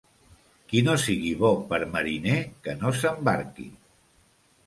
Qui no sigui bo per mariner que no s'embarqui.